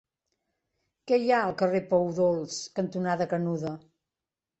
Què hi ha al carrer Pou Dolç cantonada Canuda?